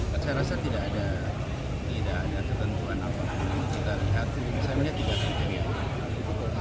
saya rasa tidak ada ketentuan apa apa kita lihat misalnya tiga kategori